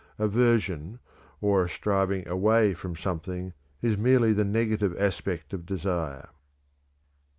Aversion, or a striving away from something, is merely the negative aspect of desire.